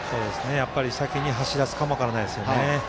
やっぱり先に走らせるかもしれないですよね。